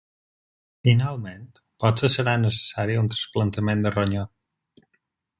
Finalment, potser serà necessari un trasplantament de ronyó.